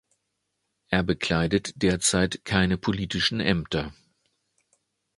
Er bekleidet derzeit keine politischen Ämter.